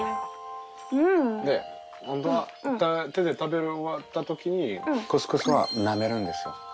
ホントは手で食べ終わったときにクスクスはなめるんですよ。